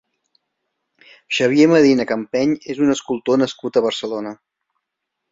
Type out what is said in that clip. Xavier Medina Campeny és un escultor nascut a Barcelona.